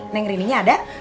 neng rininya ada